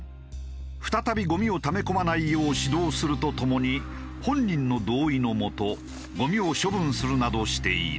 再びゴミをため込まないよう指導するとともに本人の同意のもとゴミを処分するなどしている。